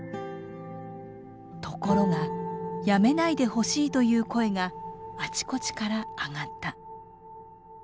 ところがやめないでほしいという声があちこちから上がった。